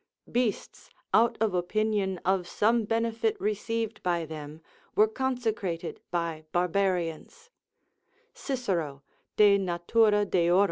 ["Beasts, out of opinion of some benefit received by them, were consecrated by barbarians" Cicero, De Natura Deor.